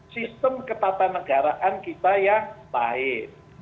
sistem ketatanegaraan kita yang baik